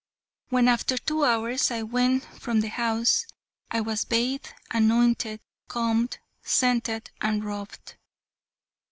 When, after two hours, I went from the house, I was bathed, anointed, combed, scented, and robed.